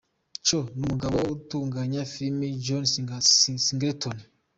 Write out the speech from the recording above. C n’umugabo utunganya filime John Singleton.